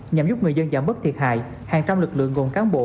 nhằm giúp người dân giảm bớt thiệt hại hàng trăm lực lượng gồm cán bộ